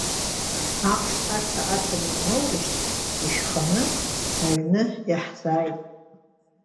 Ахш аца аҭаны ианоурышьҭ, ишәханы аҩны иаҳзааит.